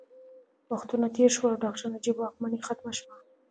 وختونه تېر شول او ډاکټر نجیب واکمني ختمه شوه